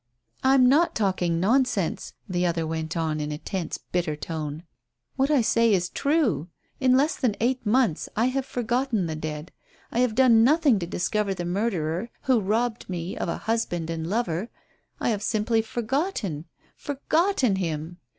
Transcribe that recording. "I'm not talking nonsense," the other went on in a tense, bitter tone. "What I say is true. In less than eight months I have forgotten the dead. I have done nothing to discover the murderer who robbed me of a husband and lover. I have simply forgotten forgotten him.